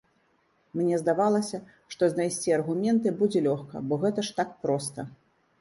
Мне здавалася, што знайсці аргументы будзе лёгка, бо гэта ж так проста.